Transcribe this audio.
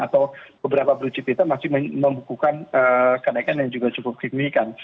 atau beberapa produk kita masih membukukan kenaikan yang juga cukup signifikan